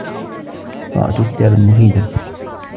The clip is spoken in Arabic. قَرَأْتُ كِتَابًا مُفِيدًا.